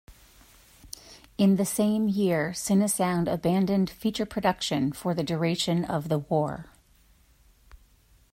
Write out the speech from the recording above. In the same year Cinesound abandoned feature production for the duration of the war.